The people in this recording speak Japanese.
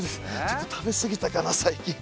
ちょっと食べ過ぎたかな最近。